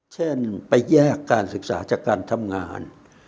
เช่นไปแยกการศึกษาจากการทำงาน